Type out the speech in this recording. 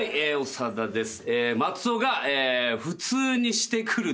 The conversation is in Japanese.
長田です。